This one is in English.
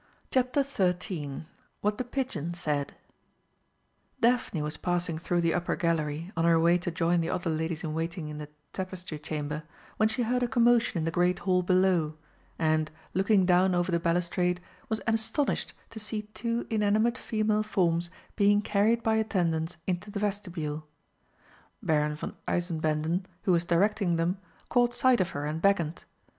CHAPTER XIII WHAT THE PIGEON SAID Daphne was passing through the upper gallery, on her way to join the other ladies in waiting in the Tapestry Chamber, when she heard a commotion in the great hall below, and, looking down over the balustrade, was astonished to see two inanimate female forms being carried by attendants into the vestibule. Baron von Eisenbänden, who was directing them, caught sight of her and beckoned.